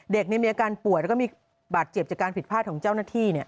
มีอาการป่วยแล้วก็มีบาดเจ็บจากการผิดพลาดของเจ้าหน้าที่